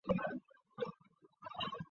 为已逝名编剧黄黎明的外甥。